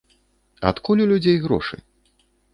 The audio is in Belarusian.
Адкуль у людзей грошы?